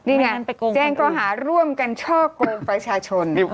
นี่ไงแจ้งข้อหาร่วมกันช่อกงประชาชน